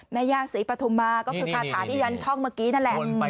แม่ย่างศรีปฑมมาก็คือคาถาที่ยันทองเมื่อกี้นั่นแหละนี่นี่นี่นี่